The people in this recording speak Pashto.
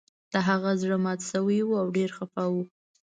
د هغه زړه مات شوی و او ډیر خفه و